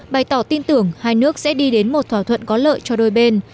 bày tỏ tin tưởng hai nước sẽ đi đến một thỏa thuận có lợi cho đôi bên